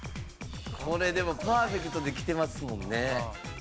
これでもパーフェクトできてますもんね。